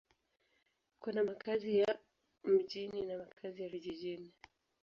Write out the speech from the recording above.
Kuna makazi ya mjini na makazi ya vijijini.